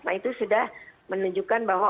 nah itu sudah menunjukkan bahwa